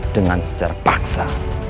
dengan sejarah paksa